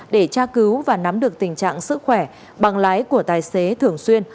để tra cứu và nắm được tình trạng sức khỏe bằng lái của tài xế thường xuyên